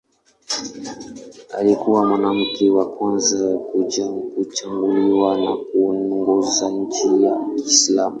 Alikuwa mwanamke wa kwanza kuchaguliwa na kuongoza nchi ya Kiislamu.